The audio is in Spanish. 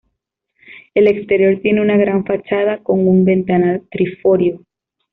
El exterior tiene una gran fachada, con un ventanal triforio.